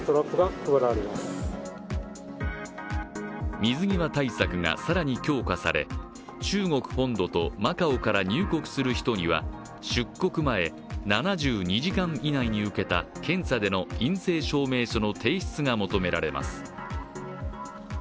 日本では水際対策が更に強化され中国本土とマカオから入国する人には出国前７２時間以内に受けた検査での陰性証明書の提出が求められます。